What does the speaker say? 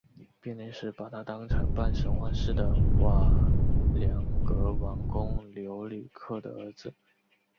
编年史把他当成半神话式的瓦良格王公留里克的儿子。